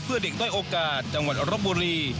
เพื่อเด็กด้อยโอกาสจังหวัดรบบุรี